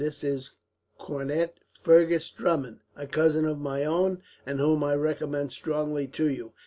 This is Cornet Fergus Drummond, a cousin of my own, and whom I recommend strongly to you.